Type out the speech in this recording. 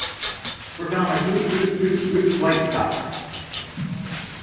We're gonna root-root-root-root White Sox.